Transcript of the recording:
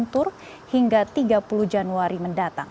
pemeriksaan ini akan berakhir pada hari yang setelah pemeriksaan di jogja